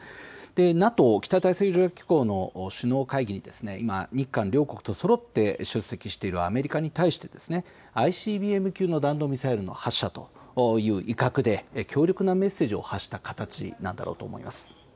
ＮＡＴＯ・北大西洋条約機構の首脳会議に今、日韓両国とそろって出席しているアメリカに対してＩＣＢＭ級の弾道ミサイルの発射という威嚇で強力なメッセージを発した形になったと思います。